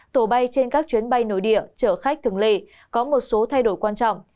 tổ bay trên các chuyến bay nội địa chở khách thường lệ có một số thay đổi quan trọng